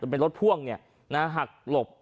เป็นรถพ่วงหักหลบ